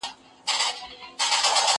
زه اجازه لرم چي سپينکۍ پرېولم؟